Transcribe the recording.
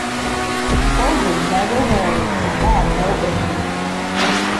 Hoadly never married and had no issue.